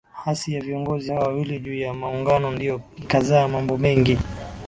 Hasi ya viongozi hawa wawili juu ya Muungano ndiyo ikazaa mambo mengi